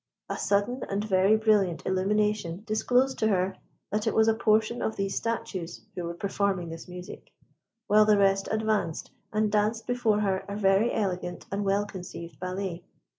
A sudden and very brilliant illumination disclosed to her that it was a portion of these statues who were performing this music, whilst the rest advanced, and danced before her a very elegant and well conceived ballet.